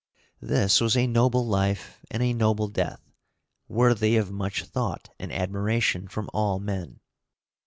This was a noble life and a noble death, worthy of much thought and admiration from all men.